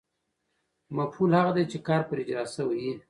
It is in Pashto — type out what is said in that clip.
مفعول هغه دئ، چي کار پر اجراء سوی يي.